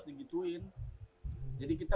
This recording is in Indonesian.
nggak sering juga